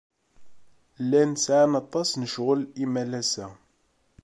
Llan sɛan aṭas n ccɣel imalas-a.